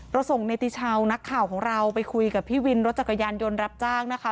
เราส่งเนติชาวนักข่าวของเราไปคุยกับพี่วินรถจักรยานยนต์รับจ้างนะคะ